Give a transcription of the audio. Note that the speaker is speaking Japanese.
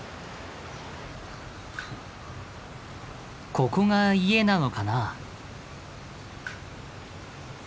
ここが家なのかな。